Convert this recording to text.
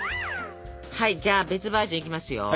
はいじゃあ別バージョンいきますよ。